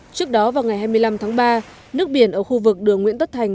trước đó vào ngày hai mươi năm tháng ba nước biển ở khu vực đường nguyễn tất thành